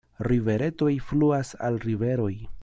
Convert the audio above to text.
Riveretoj fluas al riveroj.